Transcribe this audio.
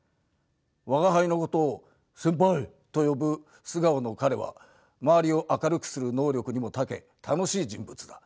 吾輩のことを「先輩！」と呼ぶ素顔の彼は周りを明るくする能力にもたけ楽しい人物だ。